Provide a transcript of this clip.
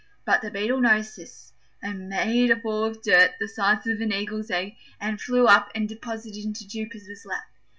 But the Beetle noticed this and made a ball of dirt the size of an Eagle's egg, and flew up and deposited it in Jupiter's lap.